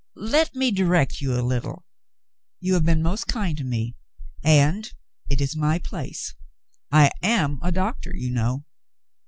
"Let me direct you a little. You have been most kind to me — and — it is my place ; I am a doctor, you know."